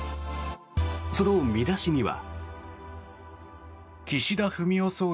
その見出しには。